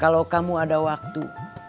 kalau kamu ada waktu